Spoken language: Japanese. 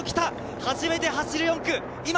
初めて走る４区。